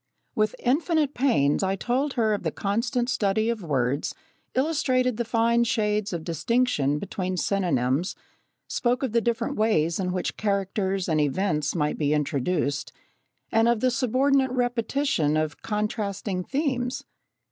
With infinite pains I told her of the constant study of words, illustrated the fine shades of distinction between synonyms, spoke of the different ways in which characters and events might be introduced, and of the subordinate repetition of contrasting themes.